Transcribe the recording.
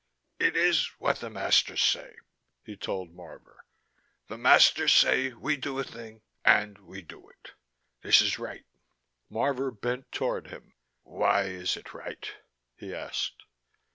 "It is what the masters say," he told Marvor. "The masters say we do a thing, and we do it. This is right." Marvor bent toward him. "Why is it right?" he asked.